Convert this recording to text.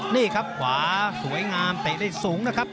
นี่ครับขวาสวยงามเตะได้สูงนะครับ